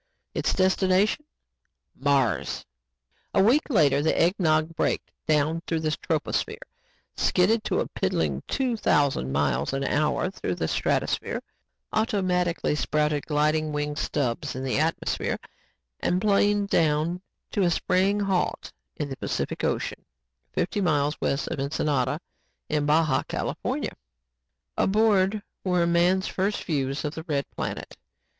Its destination Mars! A week later, The Eggnog braked down through the troposphere, skidded to a piddling two thousand miles, an hour through the stratosphere, automatically sprouted gliding wing stubs in the atmosphere and planed down to a spraying halt in the Pacific Ocean, fifty miles west of Ensenada in Baja, California. Aboard were man's first views of the red planet.